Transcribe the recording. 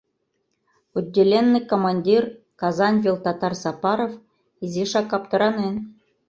Отделенный командир, Казань вел татар Сапаров, изишак аптыранен.